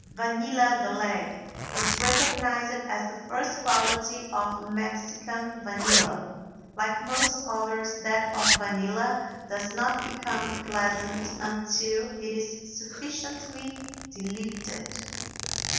"Vanilla de Leg" is recognized as the first quality of Mexican vanilla. Like most odors, that of vanilla does not become pleasant until it is sufficiently diluted.